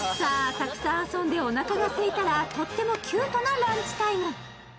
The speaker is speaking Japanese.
たくさん遊んでおなかがすいたらとってもキュートなランチタイム。